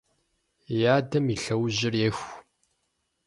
И адэм и лъэужьыр еху.